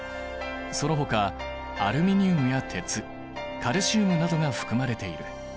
そのほかアルミニウムや鉄カルシウムなどが含まれている。